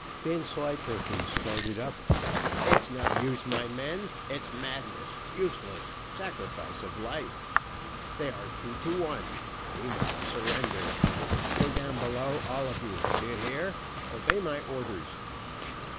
Vanslyperken started up. "It's no use, my men it's madness useless sacrifice of life; they are two to one we must surrender. Go down below, all of you do you hear, obey my orders?"